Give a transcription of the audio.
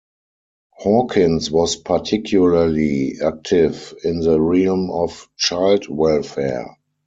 Hawkins was particularly active in the realm of child welfare.